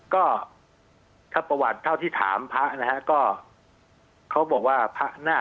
ก็ถ้าประวัติเท่าที่ถามพระนะฮะก็